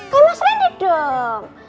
kayak mas lendi dong